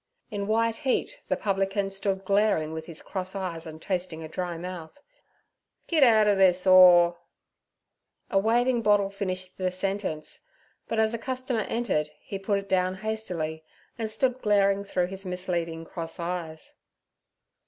In white heat the publican stood glaring with his cross eyes and tasting a dry mouth. 'Git outer this orr—' A waving bottle finished the sentence. But, as a customer entered, he put it down hastily, and stood glaring through his misleading cross eyes.